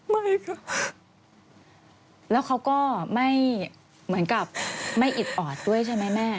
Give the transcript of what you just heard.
ไม่รู้แล้วเขาก็ไม่เหมือนกับไม่อิดออดด้วยใช่ไหมแม่